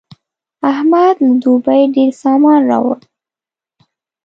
احمد له دوبۍ ډېر سامان راوړ.